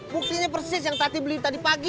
buktinya persis yang tati beli tadi pagi